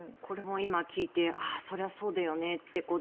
これも今聞いてそれはそうだよねって